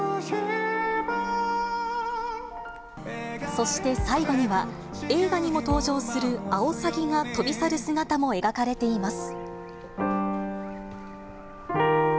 そして、最後には映画にも登場する青サギが飛び去る姿も描かれています。